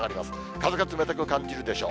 風が冷たく感じるでしょう。